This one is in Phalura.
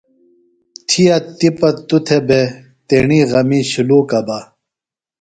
تھیہ تیپہ توۡ تھےۡ بےۡ تیݨی غمیۡ شُلوکہ بہ۔